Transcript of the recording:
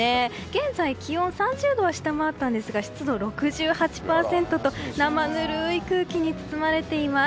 現在気温、３０度は下回ったんですが湿度６８％と生ぬるい空気に包まれています。